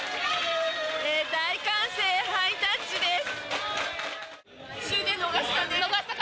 大歓声、ハイタッチです。